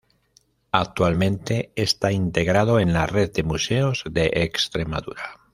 Actualmente está integrado en la Red de Museos de Extremadura.